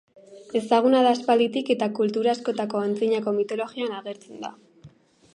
Ezaguna da aspalditik, eta kultura askotako antzinako mitologian agertzen da.